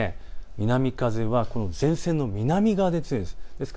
南風は前線の南側で強いんです。